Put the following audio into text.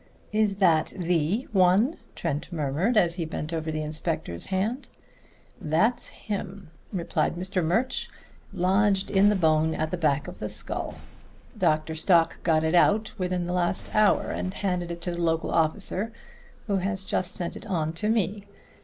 "Is that the one?" Trent murmured as he bent over the inspector's hand. "That's him," replied Mr. Murch. "Lodged in the bone at the back of the skull. Dr. Stock got it out within the last hour, and handed it to the local officer, who has just sent it on to me.